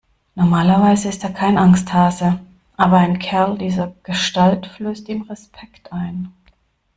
Normalerweise ist er kein Angsthase, aber ein Kerl dieser Gestalt flößte ihm Respekt ein.